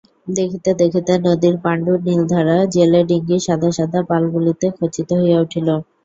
দেখিতে দেখিতে নদীর পাণ্ডুর নীলধারা জেলেডিঙির সাদা সাদা পালগুলিতে খচিত হইয়া উঠিল।